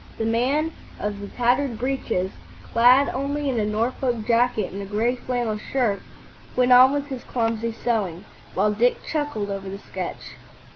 The man of the tattered breeches, clad only in a Norfolk jacket and a gray flannel shirt, went on with his clumsy sewing, while Dick chuckled over the sketch.